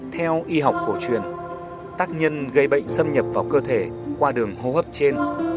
theo y học cổ truyền tác nhân gây bệnh xâm nhập vào cơ thể qua đường hô hấp trên